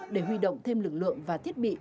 để huy động thêm lực lượng và thiết bị